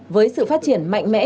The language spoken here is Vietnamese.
với sự phát triển mạnh mẽ